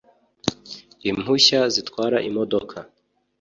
impushya zitwara imodoka